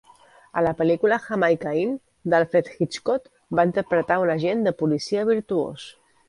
A la pel·lícula Jamaica Inn, d'Alfred Hitchcock, va interpretar un agent de policia virtuós.